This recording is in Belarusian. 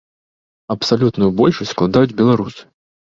Абсалютную большасць складаюць беларусы.